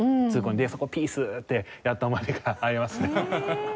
でそこでピースってやった思い出がありますね。